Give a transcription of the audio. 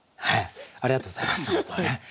ありがとうございます